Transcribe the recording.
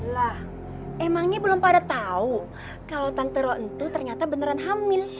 lah emangnya belum pada tahu kalau tante ronto ternyata beneran hamil